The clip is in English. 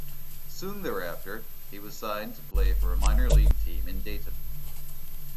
Soon thereafter, he was signed to play for a minor league team in Dayton.